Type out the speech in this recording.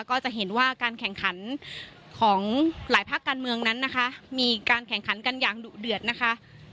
ก็จะเห็นว่าการแข่งขันของหลายภาคการเมืองนั้นนะคะมีการแข่งขันกันอย่างดุเดือดนะคะ